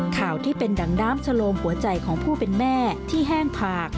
ข่าวที่เป็นดังน้ำชะโลมหัวใจของผู้เป็นแม่ที่แห้งผาก